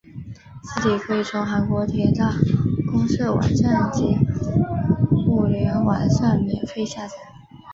字体可以从韩国铁道公社网站及互联网上免费下载。